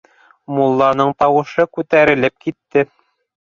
Мулланың тауышы күтәрелеп китте.